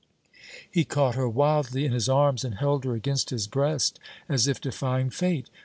He caught her wildly in his arms and held her against his breast as if defying fate.